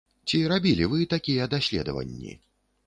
Ці рабілі вы такія даследаванні?